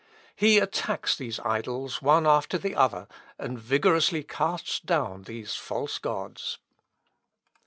He attacks these idols one after the other, and vigorously casts down these false gods.